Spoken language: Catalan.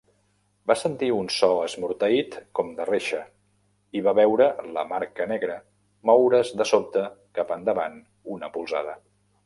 Va sentir un so esmorteït com de reixa i va veure la marca negra moure's de sobte cap a endavant una polzada.